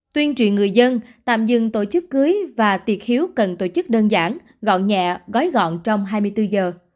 tuyên truyền người dân tạm dừng tổ chức cưới và tiệc khiếu cần tổ chức đơn giản gọn nhẹ gói gọn trong hai mươi bốn giờ